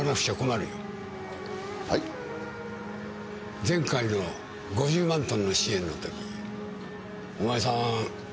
前回の５０万トンの支援の時お前さん閣僚だった。